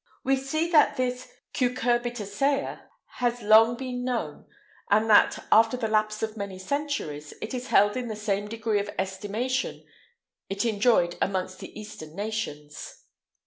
We see that this cucurbitacea has been long known, and that, after the lapse of many centuries, it is held in the same degree of estimation it enjoyed among the Eastern nations.